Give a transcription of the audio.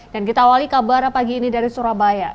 dan kita awali kabar pagi ini dari surabaya